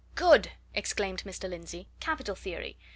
"Good!" exclaimed Mr. Lindsey. "Capital theory!